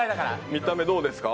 見た目どうですか？